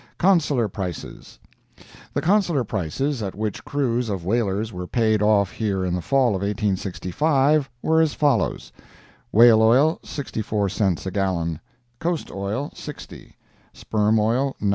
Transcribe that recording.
CONSULAR PRICES The Consular prices at which crews of whalers were paid off here in the Fall of 1865 were as follows: Whale oil, 64 cents a gallon; coast oil, 60; sperm oil, 92.